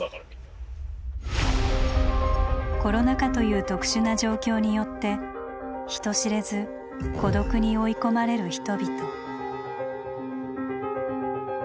コロナ禍という特殊な状況によって人知れず「孤独」に追い込まれる人々。